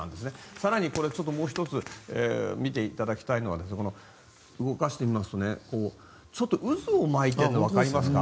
更に、これはもう１つ見ていただきたいのは動かしてみますとちょっと渦を巻いてるのがわかりますか？